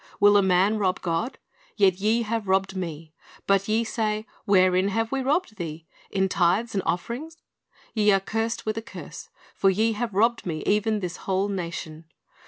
"Will a man rob God? Yet ye have robbed Me. But ye say, Wherein have we robbed Thee ? In tithes and offerings. Ye are cursed with a curse; for ye have robbed Me, even this whole nation."